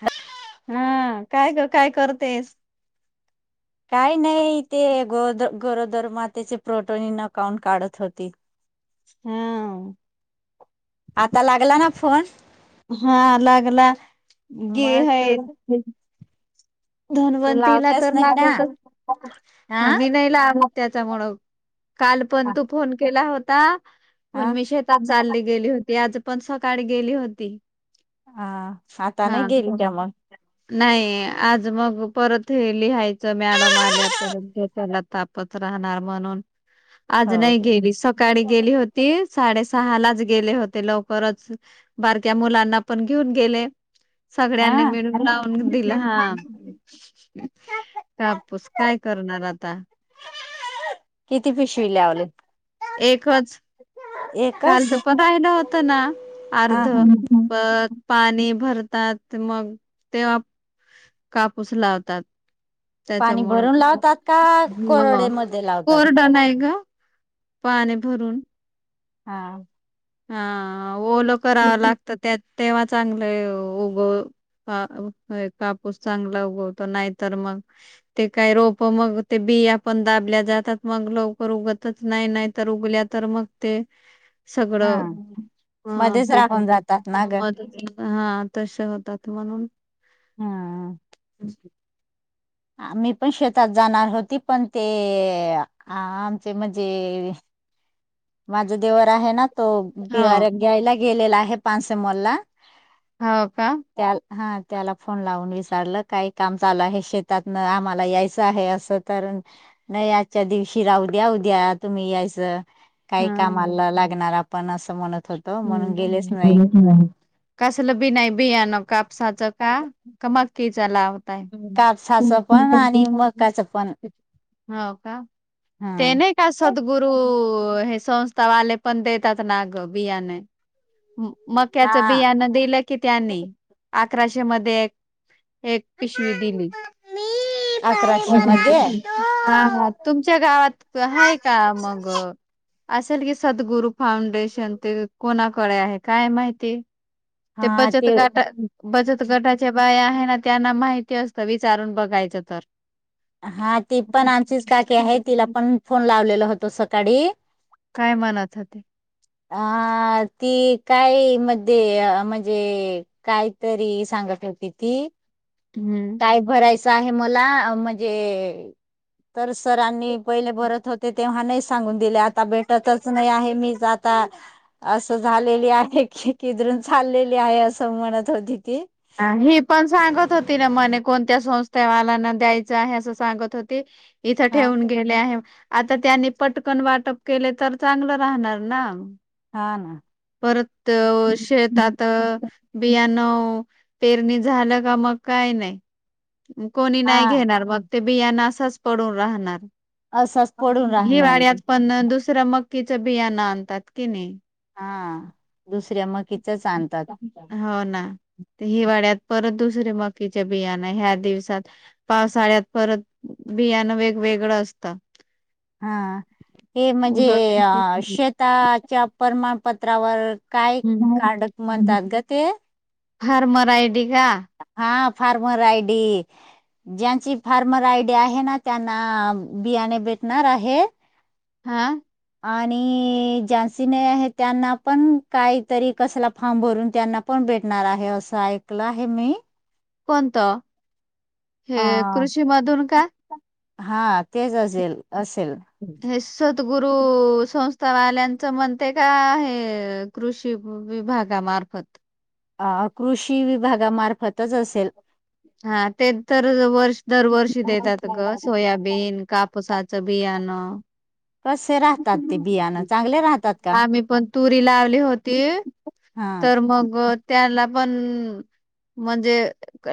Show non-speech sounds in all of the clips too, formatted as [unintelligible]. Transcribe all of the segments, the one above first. ह हा काय काय करतेस काही नाही ते गो गोरोदर मातेचे प्रोटोन नकाउून काढत होती हम् आता लागला ना फोन हा अगला मस्त धन्वंतीला तर लागतच हा आ्ही नाही ला आमोत त्याच्यामुळं काल पण तू फोन केला होता प हा मी शेतात जाली गेली होती आज पण सकाळी गेली होती हा आता नाही हा गेली त्या मग नाही आज मग परत हे लिहायचं मॅडम आल्या पर त्याला तापत राहणार म्हणून आज हो नाही गेली सकाळी गेली होती ते साडेसहा लाच गेले होते लवकरच बारक्या मुलांना पण घेऊन गेले सगळ्यांनी हा मिळून लावून दिलं ह कापूस काय करणार आता किती पिशवी लावलं एकच काल तर पण राहिलं होत ना हा अर्ध हा पण पाणी भरतात मग तेव्हा कापूस लावतात पाणी भरून लावतात का त्याच्यामुळेळं कोरडे ह मध्ये लावतात कोरडन आहे ग पाने भरून हा हा ओलं करावा लागत तेव्हा चांगलं उग ह कापूस चांगला उगवतो नाहीतर मग ते काय रोप मग ते बिया पण दाबल्या जातात मग लवकर उगतच नाही नाही तर उगल्या तर मग ते. हा सगळं ह मध्येच पीक. राहून जातात ना ग हा तसे होतात म्हणून. हम [inaudible] आम्ही पण शेतात जाणार होती पण ते आमचे म्हणजे. माझं देवर आहे ना तो हो बियाण घ्यायला गेलेला आहे पानसे मॉलला हो का? त्या हा त्याला फोन लावून विचारलं काही काम चालू आहे शेतातन आम्हाला यायचं आहे असं. कारण, नाही आजच्या दिवशी राहू द्या उद्या तुम्ही यायचं. काही हा कामाला लागणार आपण असं म्हणत होत. हम कसलं बि नाही बियाणं कापसाचं का? मकीचा लाव. कापसाचं पण आणि मकाचं पण. का? हा ते नाही का सद्गुरु हे संस्थावाले पण देतात ना ग. बियाण मक्याचं हा बियाण दिल. किती आणली अकराशे मध्ये एक पिशवी दिली. अकराशे मध्ये हा तुमच्या गावात आहे का मग. असेल की सद्गुरु फाउंडेशन ते कोणाकडे आहे काय माहिती ते बचत गटात बचत गटा बाय आहे ना त्यांना माहिती असतं विचारून बघायचं तर. हा ती पण आमचीच काकी आहे तिला पण फोन लावलेल होतो सकाळी. काय मनात ते. अ ती काय मध्ये म्हणजे. कायतरी सांगत होती ती. हम्म काय भरायचं आहे मला म्हणजे तर सरांनी पहिले भरत होते तेव्हा नाही सांगून दिले आता भेटतच नाही आहे मी ज आता असं झालेली आहे की किदरून चाललेली आहे असं म्हणत होती ती. अ ही पण सांगत होती ना म्हणे कोणत्या संस्थेवालांना द्यायचं आहे असं सांगत होती. इथं हा ठेऊून गेले आहे आता त्यांनी पटकन वाटप केले तर चांगलं राहणार ना. हा ना परत हम्म. शेतात बियाणं पेरणी झालं का मग काही नाही. कोणी नाही हा घेणार मग ते बियाण असाच पडून राहणार. असाच पडून राहणार हिवाळ्यात पण दुसरं मकीचं बियाणं आणतात कि नाही. हा दुसऱ्या मकीचच आणतात. हो ना ते हिवाळ्यात परत दुसरे मकीच्या बियाणा ह्या दिवसात पावसाळ्यात परत बियाणं वेगवेगळं असतं. हा हे म्हणजे शेताच्या प्रमाणपत्रावर काय काडक म्हणतात ग ते? फार्मर आयडी का? हा फार्मर आयडी. ज्यांची फार्मर आयडीआहे ना त्यांना बियाणे भेटणार आहे. हा आणि ज्यांची आहे त्यांना पण काहीतरी कसला फार्म भरून त्यांना पण भेटणार आहे असं ऐकलं आहे मी कोणत - अ का? हा तेच असेल असेल हे सद्गुरु संस्थावाल्यांचं म्हणते का हे कृषी विभागामार्फत अ कृषी विभागामार्फतच असेल हा ते तर वर्ष दरवर्षी देतात ग सोयाबीन कापसाच बियाणं कसे राहतात. ते बियाणं चांगले राहतात का आम्ही पण तुरी लावली होती हा तर मग त्याला पण म्हणजे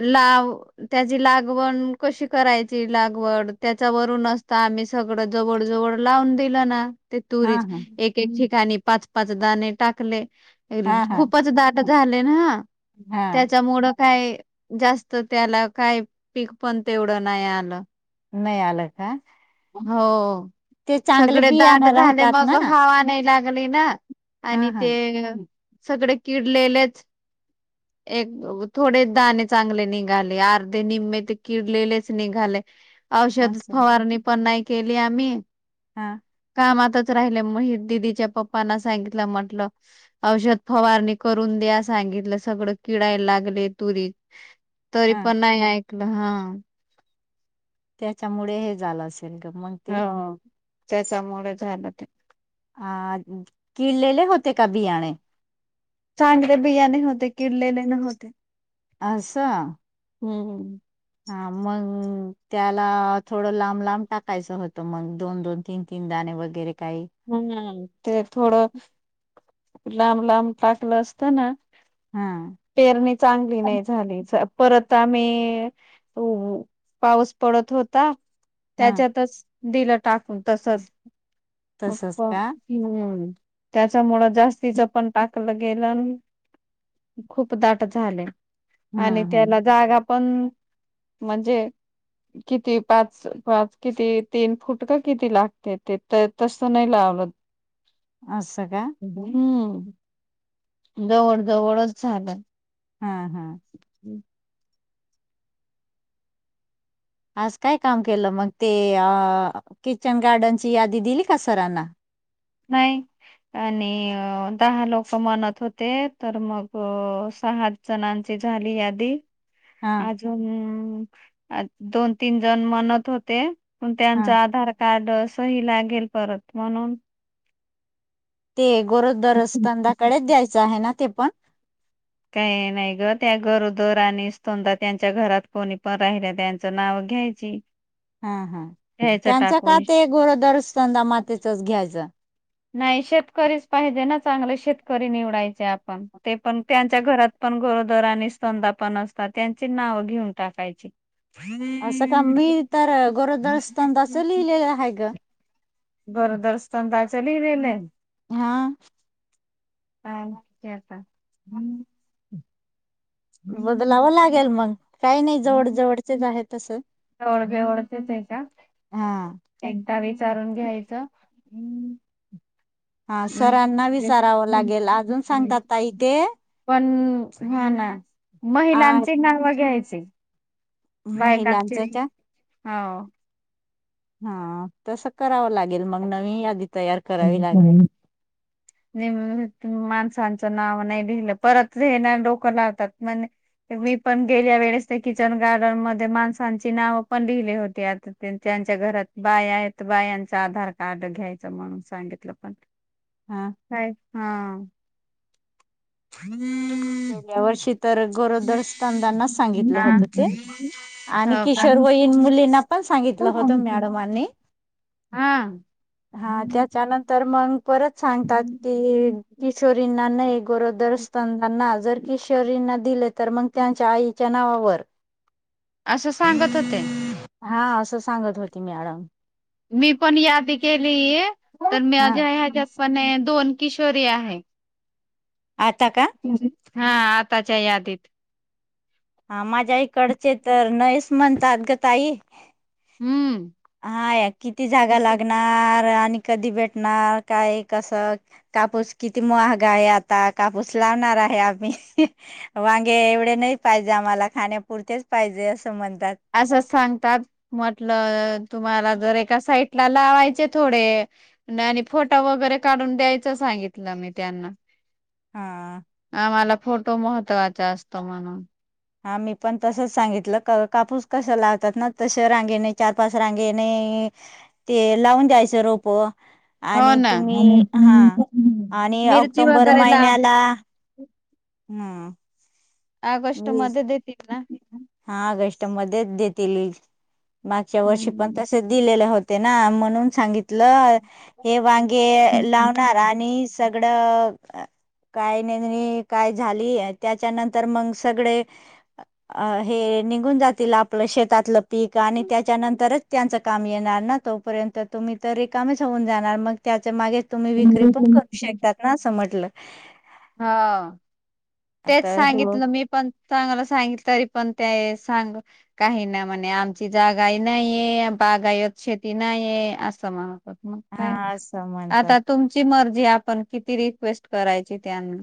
लाव त्याची लागवण कशी करायची लागवड त्याच्यावरून असता आम्ही सगळं जवळ जवळ लावून दिल ना ते तुरी हा हा एक एक ठिकाणी पाच पाचदाणे टाकले. हा हा खूपच दाट झाले ना हा त्याच्यामुळं काय. जास्त त्याला काही पीक पण तेवढं नाही आलं. नाही आलं का? हो ते चांगले सगळे दाट बियाणं झाले राहतात मग ना हवा नाही लागले ना हा आणि हा ते सगळे किडलेलेच एक थोडे दाणे चांगले निघाले अर्धे निम्म ते किरलेलेच निघाले. औषध असं फवारणी पण नाही केली आम्ही हा कामातच राहिले म दिदीच्या पप्पना सांगितलं म्हटलं. औषध फवारणी करून द्या सांगितलं सगळं किडयला लागले तुरी तरी हा पण नाही ऐकलं हा त्याच्यामुळे हे झालं अस त म ह त्याच्यामुळे झालं ते अ किल्लेले होते का बियाणे चांगले बिया न होते किडलेले न होते. अससां हम्म हा मग त्याला थोडं लांब लांब टाकायचं होतं मग दोन दोन तीन तीनदाणे वगैरे काही हम्म ते थोडं लांब लांब टाकलं असतं ना हा पेरणी चांगली नाही झाली परत आम्ही त पाऊस पडत होता. हा त्याच्यातच दिलं टाकून तसच तसचप का हम्म त्याच्यामुळं जास्तीचं पण टाकलं गेलं. खूप दाट झाले आणि हम्म त्याला हम् जागा पण म्हणजे किती पाच पाच किती तीन फुट का किती लागते ते तर तसं नाही लावलं. अस स का हम्म जवळ जवळच झालं. हा् हम् हम्म आज काय काम केलं मग ते अ किचन गार्डनची यादी दिली का सरांना नाही. आणि दहा लोक म्हणत होते तर मग सहा सणांची झाली यादी हा अजून दोन तीन जण म्हणत होते. हा त्यांचं आधार कार्ड सही लागेल परत म्हणून ते गरोदर असतंदाकडेच द्यायचं आहे ना ते पण काही नाही ग त्या गरोदर आणि स्ोनदाा त्यांच्या घरात कोणी पण राहिल्या त्यांचं नाव घ्यायचं. [inaudible] हा हा त्यांच का टाकून ते गोरोदरंदा मातेचच घ्यायचं. नाही शेतकरीच पाहिजे ना चांगले शेतकरी निवडायचे आपण ते पण त्यांच्या घरात पण गरोदर आणि स्तनधा पण असतात त्यांची नाव घेऊन टाकायची. असं का मी तर गोरोदर स्तंनदा चं लिहिलेलं हाय ग. गरोदर स्तनदा चं लिहिलेलंय. हा. काय नाय की आता बदलावं लागेल मग काय नाय जवळ जवळचेच आहे तसं जवळजवळचेच ये का हा एकदा विचारून घ्यायचं. हा सरांना विसारावं लागेल अजून सांगतात ताई तेे पण हा ना आ महिलांची नाव घ्यायचे. बायकांची महिलांचं घ्यायची त्या हो. हा तसं करावं लागेल मग नवीन यादीत [unintelligible] [unintelligible] माणसांचं नाव नाय लिहिलं परत हे ना डोकं लावतात म्हण मी पण गेल्या वेळेस ते किचन गार्डन मध्ये माणसांची नाव पण लिहिली होती आत त्यांच्या घरात बाया आहेत बायाच आधार कार्ड घ्याय म्हणून सांगितलं पण हा काय हा [unintelligible] गेल्या वर्षी तर गरोदर स्तनंदाना सांगितलं होत ते आणि किशोर वयीन मुलींना पण सांगितलं हो का होतं मॅडमांनी हा हा त्याच्यानंतर मग परत सांगतात कि किशोरींना नाही गोरोदर स्तनदाना आल जर किशोरींना दिले तर मंग त्यांच्या आईच्या नावावर असं सांगत होते. हा असं सांगत होती मॅडम. मी पण यादी केलीये तर हा माझ्या ह्याच्यातपण ये दोन किशोरी आहे. आता का हा आताच्या यादीत हा माझ्या ईकडचे तर नईस म्हणतात ग ताई. हम्म हा या किती जागा लागणार आणि कधी भेटणार काय कसं कापूस किती महागा आहे आता कापूस लावणार आहे आम्ही वांगे एवढे नाही पाहिजे आम्हाला खाण्यापुरतेच पाहिजे असं म्हणतात. असंचं सांगतात म्हटल तुम्हाला जर एका साईट ला लावायचे थोडे आणि फोटो वगैरे काढून द्यायचं सांगितलं मी त्यांना हा आम्हाला फोटो महत्त्वाचा असतो म्हणून हा मी पण तसंच सांगितलं क कापूस कसं लावतात ना तशे रांगेने चार पाच रांगेने ते लावून द्यायचं रोप हो आणि ना तुम्ही हा आणि मिरची ऑक्टोबर वगैरे लाव महिन्याला हं ऑगस्ट मध्ये देतील ना. हा ऑगस्ट मध्येच देतील मागच्या वर्षी पण हम्म तसे दिलेले होते ना म्हणून सांगितलं हे वांगे लावणार आणि सग लीकडं काय [unintelligible] काय झाली आणि त्याच्यानंतर मग सगळे. अ हे निघून जातील आपलं शेतातलं पीक आणि त्याच्यानंतरच त्यांच काम येणार ना तोपर्यंत तुम्ही तर रिकामच होऊन जाणार मग त्याच मागे तुम्ही विक्री पण करू शकताात ना असं म्हटलं. हा. तेच तर हो सांगितलं मी पण चांगला सांगितलं तरी पण ते सांग. काही ना म्हणे आमची जागाही नाहीये बागायत शेती नाहीये असं म्हण. मग हा काय असं म्हणतात आता तुमची मर्जी आपण किती रिक्वेस्ट करायची त्यांना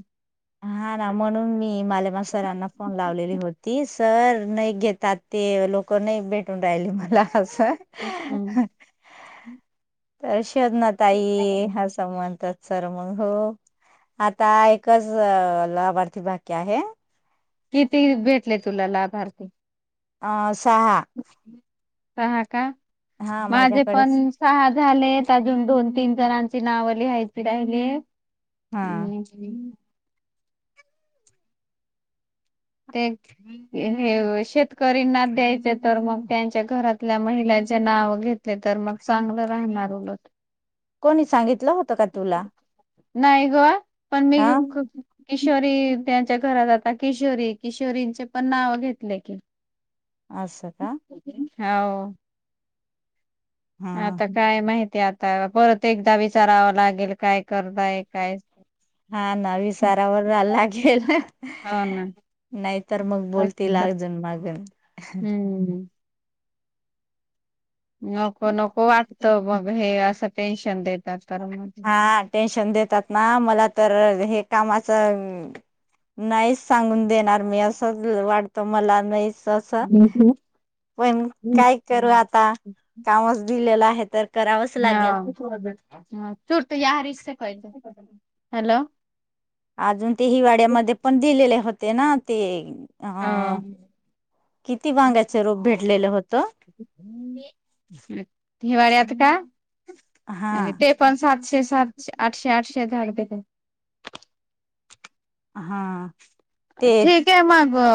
हा ना म्हणून मी मालेमा सरांना फोन लावलेली होतीस. सर नाही घेतात ते लोक नाही भेटून राहिले मला असं. हम्म तर शवजना ताई ह. स म्हणतात सर मग हो आता एकच लाभार्थी भाक्य आहे. किती भेटले तुला लाभार्थी सहा. का हा माझे माझ्याकडेच पण सहा झाले अजून दोन तीन जणांची नावं लिहायची राहिली हा आणि ह. ते हे शेतकरीना द्यायचे तर मग त्यांच्या घरातल्या महिलांचे नाव घेत. तर मग चांगलं राहणार उलट. कोणी सांगितलं होतं का तुला नाही गोवा पण मी हा खूप किशोरी त्यांच्या घरात आातता किशोरी किशोरींचे पण नाव घेतले की असश का? होा हा आता काय माहिती आता परत एकदा विचारावं लागेल काय करताय काय? हा ना विसारावर लागेल. हो ना नाही तरर मग बोलते अगजण मागून हम्म. नको नको वाटत मग हे असं टेन्शन देतात तर म ह टेन्शन देतात ना मला तर हे कामाच. नाहीच सांगून देणार मी असंच वाटत मला नाही. असस पण काय करू हम् आता कामच दिलेलं आहे तर करावंच लागेल हा तू या रि कले हॅलो. अजून ते हिवाळ्यामध्ये पण दिलेले होते ना ते हा अ किती वांग्याच रूप भेटलेलं होतं. हिवाळ्या आत का हा आणि ते पण सातशे सातशे आठशे आठशे धकते. हा ते ठीक ये मग अ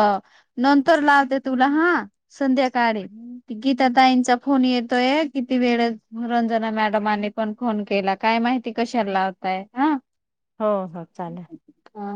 नंतर लावते तुला हा संध्याकाळी गीता ताईंचा फोन येतोय किती वेळ रंजना मॅडम आणि पण फोन केला काय माहिती कशाला लावताय हा हो हो चालेल हा.